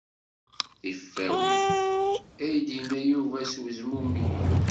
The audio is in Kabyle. Tifawin, ay d-yenna Yuba s wezmumeg.